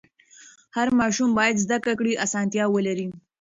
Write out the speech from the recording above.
هر ماشوم باید د زده کړې اسانتیا ولري.